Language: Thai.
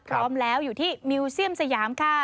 พร้อมแล้วอยู่ที่มิวเซียมสยามค่ะ